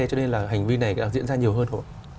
cho nên là hành vi này đã diễn ra nhiều hơn không ạ